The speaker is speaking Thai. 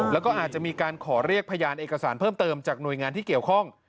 แล้วก็อาจจะมีการขอเรียกพยานเอกสารเพิ่มเติมจากหน่วยงานที่เกี่ยวข้อง